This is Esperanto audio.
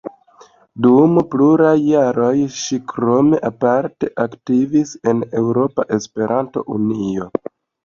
Dum pluraj jaroj ŝi krome aparte aktivis en Eŭropa Esperanto-Unio.